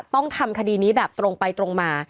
ต้องทำคดีนี้แบบตรงไปตรงมา